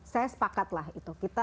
saya sepakatlah itu